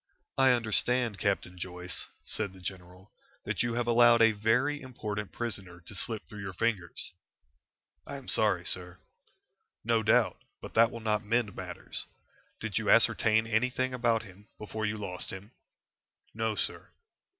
"I understand, Captain Joyce," said the general, "that you have allowed a very important prisoner to slip through your fingers." "I am sorry, sir." "No doubt. But that will not mend matters. Did you ascertain anything about him before you lost him?" "No, sir."